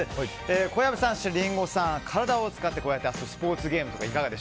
小籔さん、リンゴさん体を使って遊ぶスポーツゲームとか